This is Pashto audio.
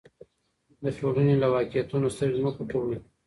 د ټولنې له واقعیتونو سترګې مه پټوئ.